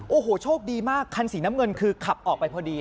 โอ้โหโชคดีมากคันสีน้ำเงินคือขับออกไปพอดี